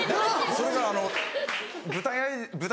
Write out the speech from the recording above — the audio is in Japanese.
それがあの舞台。